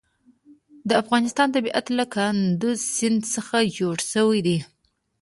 د افغانستان طبیعت له کندز سیند څخه جوړ شوی دی.